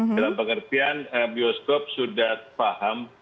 dalam pengertian bioskop sudah paham